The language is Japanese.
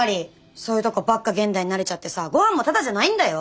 そういうとこばっか現代に慣れちゃってさごはんもタダじゃないんだよ！